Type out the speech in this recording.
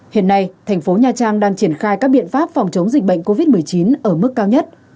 hiện nay thành phố nha trang đang triển khai các biện pháp phòng chống dịch bệnh covid một mươi chín ở mức cao nhất